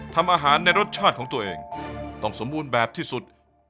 ทำอาหารในรสชาติของตัวเองต้องสมบูรณ์แบบที่สุด